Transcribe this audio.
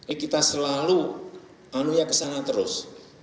ini kita selalu anu anu nya ke sana terus